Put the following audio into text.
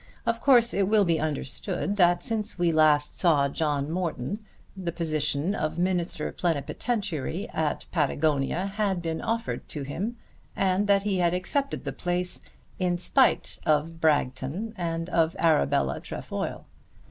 Of course it will be understood that since we last saw John Morton the position of Minister Plenipotentiary at Patagonia had been offered to him and that he had accepted the place in spite of Bragton and of Arabella Trefoil.